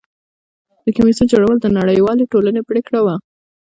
د کمیسیون جوړول د نړیوالې ټولنې پریکړه وه.